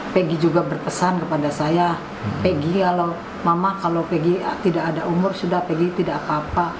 peggy juga berpesan kepada saya pegi kalau mama kalau pergi tidak ada umur sudah pegi tidak apa apa